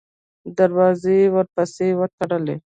دروازې یې ورپسې وتړلې.